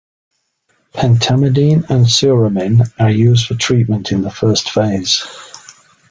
Pentamidine and Suramin are used for treatment in the first phase.